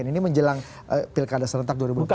ini menjelang pilkada serentak dua ribu empat belas